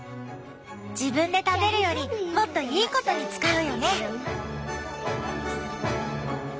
自分で食べるよりもっといいことに使うよね。